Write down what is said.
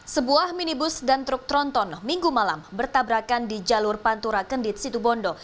sebuah minibus dan truk tronton minggu malam bertabrakan di jalur pantura kendit situbondo